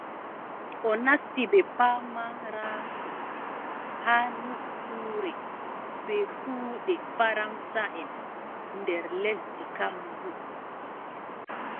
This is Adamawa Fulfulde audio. O nasti bee pamaraaku haa nokkure bee kuuɗe faraŋsaʼen nder lesdi Kamerun,